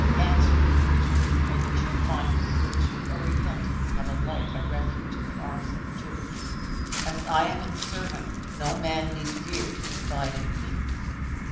Answer me the truth and you shall find that virtue or repentance have alike a refuge in the arms of the church. As I am its servant, no man need fear to confide in me.